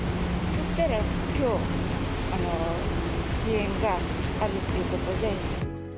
そうしたらきょう、支援があるっていうことで。